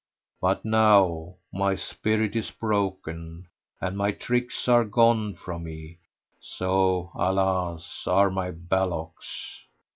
But now my spirit is broken and my tricks are gone from me, so alas! are my ballocks.